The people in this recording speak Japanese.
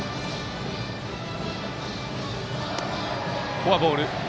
フォアボール。